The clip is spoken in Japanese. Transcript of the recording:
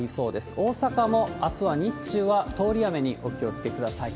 大阪もあすは日中は通り雨にお気をつけください。